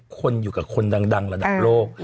คนอยู่กับคนดังระดับโลก